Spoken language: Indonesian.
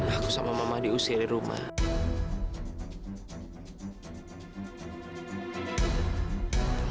aku sama mama diusir di rumah